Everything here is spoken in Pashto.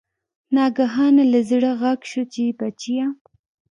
ناګهانه له زړه غږ شو چې بچیه!